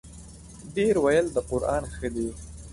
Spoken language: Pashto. ـ ډېر ویل د قران ښه دی.